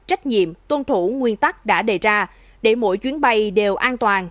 trách nhiệm tuân thủ nguyên tắc đã đề ra để mỗi chuyến bay đều an toàn